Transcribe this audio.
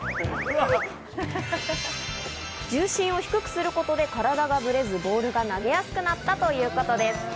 重心を低くすることで体がぶれず、ボールが投げやすくなったということです。